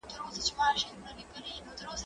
کېدای سي واښه ګډه وي؟